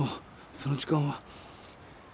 その時間は。